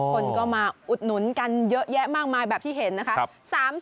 คนก็มาอุดหนุนกันเยอะแยะมากมายแบบที่เห็นนะคะ